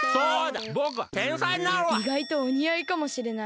いがいとおにあいかもしれない。